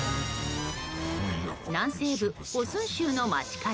南西部オスン州の街角。